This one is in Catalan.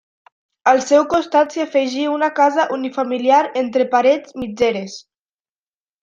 Al seu costat s'hi afegí una casa unifamiliar entre parets mitgeres.